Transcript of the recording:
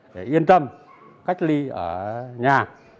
để yên tâm cách ly ở nhà